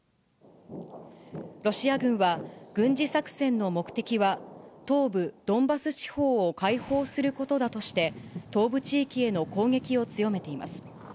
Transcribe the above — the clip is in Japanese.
ロシア軍は、軍事作戦の目的は東部ドンバス地方を解放することだとして、東部地域への攻撃を強めています。